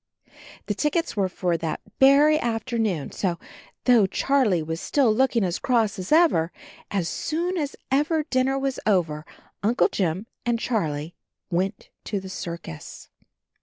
The tickets were for that very afternoon, so, though Charlie was still looking as cross as ever, as soon as ever dinner was over Uncle Jim and Charlie went to the circus.